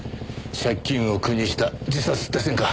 借金を苦にした自殺って線か。